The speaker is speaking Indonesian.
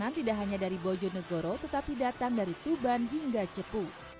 perjalanan tidak hanya dari bojonegoro tetapi datang dari tuban hingga ceku